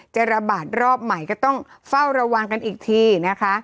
จะระบาดรอบใหม่ก็ต้องเฝ้าระวังกันอีกทีนะคะ